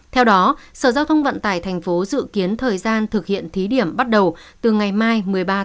theo đó sở giao thông vận tải tp hcm dự kiến thời gian thực hiện thí điểm bắt đầu từ ngày mai một mươi ba một mươi